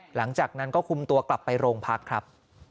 หลังจากนั้นก็คุมตัวกลับไปโรงพักครับ